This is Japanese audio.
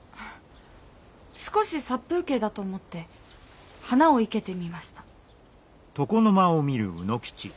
少し殺風景だと思って花を生けてみました。